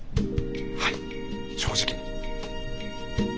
はい正直に。